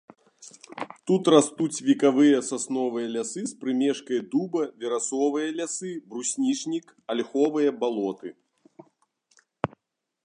Тут растуць векавыя сасновыя лясы з прымешкай дуба, верасовыя лясы, бруснічнік, альховыя балоты.